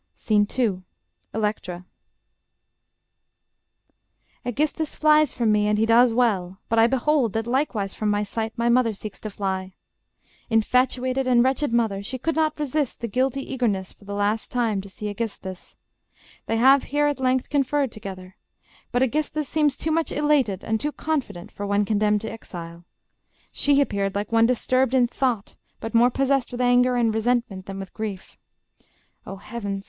SCENE II ELECTRA Electra Aegisthus flies from me, and he does well; But I behold that likewise from my sight My mother seeks to fly. Infatuated And wretched mother! She could not resist The guilty eagerness for the last time To see Aegisthus. They have here, at length, Conferred together ... But Aegisthus seems Too much elated, and too confident, For one condemned to exile ... She appeared Like one disturbed in thought, but more possessed With anger and resentment than with grief ... O Heavens!